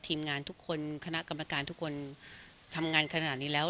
ทีมงานทุกคนคณะกรรมการทุกคนทำงานขนาดนี้แล้ว